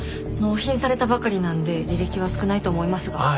納品されたばかりなので履歴は少ないと思いますが。